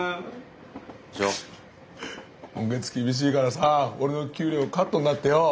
今月厳しいからさ俺の給料カットになってよ。